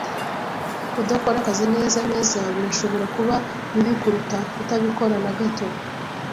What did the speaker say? Kudakora akazi neza neza birashobora kuba bibi kuruta kutabikora na gato